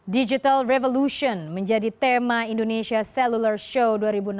digital revolution menjadi tema indonesia celular show dua ribu enam belas